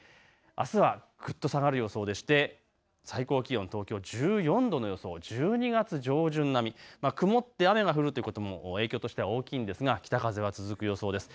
あすはぐっと下がる予想でして、最高気温、東京１４度の予想、１２月上旬並み、曇って雨が降るということも影響として大きいんですが北風が続く予想です。